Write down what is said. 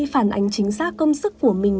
phản ảnh chính xác công sức của mình